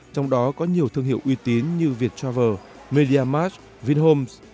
trong đó có nhiều thương hiệu uy tín như viettravel mediamarkt vinhomes